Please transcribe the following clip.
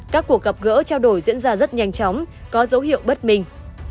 các cuộc gặp gỡ trao đổi diễn ra rất nhanh chóng có dấu hiệu bất minh